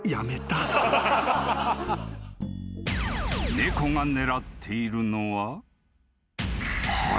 ［猫が狙っているのは］